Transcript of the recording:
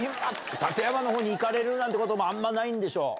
館山のほうに行かれるなんてこともあんまないんでしょう？